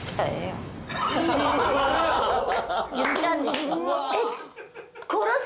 言ったんですよ。